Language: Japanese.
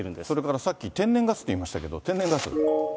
それからさっき天然ガスって言いましたけれども、天然ガス。